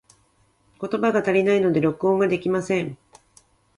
言葉が足りないので、録音ができません。